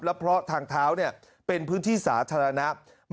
แล้วเพราะทางเท้าเนี่ยเป็นพื้นที่สาธารณะ